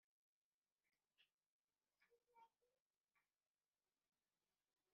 icyo gihe kirenze ntacyo arabivugaho imyanzuro